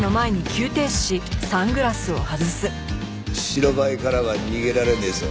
白バイからは逃げられねえぞ。